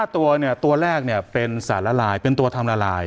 ๕ตัวเนี่ยตัวแรกเนี่ยเป็นสารละลายเป็นตัวทำละลาย